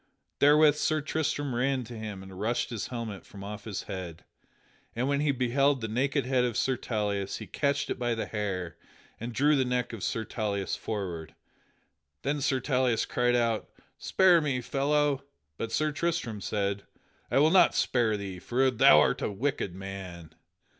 Therewith Sir Tristram ran to him and rushed his helmet from off his head. And when he beheld the naked head of Sir Tauleas he catched it by the hair and drew the neck of Sir Tauleas forward. Then Sir Tauleas cried out, "Spare me, fellow!" But Sir Tristram said, "I will not spare thee for thou art a wicked man!"